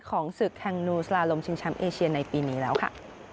ของศึกแห่งนูสลาลมชิงแชมป์เอเชียในปีนี้แล้วค่ะ